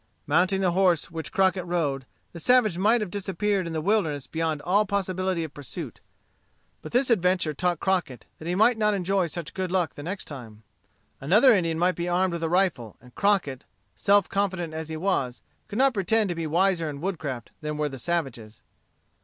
Mounting the horse which Crockett rode, the savage might have disappeared in the wilderness beyond all possibility of pursuit. But this adventure taught Crockett that he might not enjoy such good luck the next time. Another Indian might be armed with a rifle, and Crockett, self confident as he was, could not pretend to be wiser in woodcraft than were the savages.